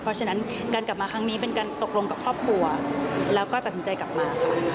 เพราะฉะนั้นการกลับมาครั้งนี้เป็นการตกลงกับครอบครัวแล้วก็ตัดสินใจกลับมาค่ะ